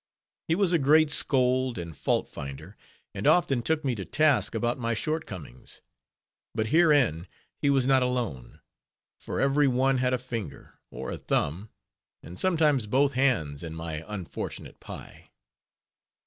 He was a great scold, and fault finder, and often took me to task about my short comings; but herein, he was not alone; for every one had a finger, or a thumb, and sometimes both hands, in my unfortunate pie.